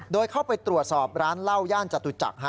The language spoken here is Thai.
โดยเข้าไปตรวจสอบร้านเหล้าย่านจตุจักร